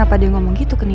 apa yang anda lakukan